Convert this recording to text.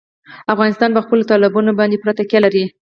افغانستان په خپلو تالابونو باندې پوره تکیه لري.